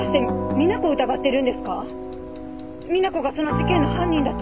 みな子がその事件の犯人だと。